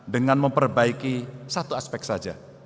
dengan memperbaiki satu aspek saja